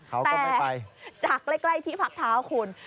แต่จากใกล้ที่พักเท้าคุณ